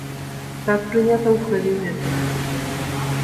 Так прынята ў хэві-метале!